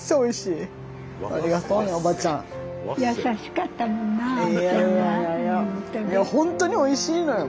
いや本当においしいのよ